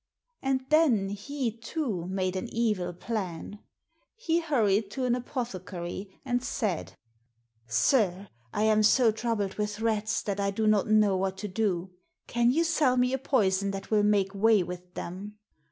And then he, too, made an evil plan. He hurried to an apothecary and said, " Sir, I am so trou bled with rats that I do not know what to do. Can you sell me a poison that will make way with them?"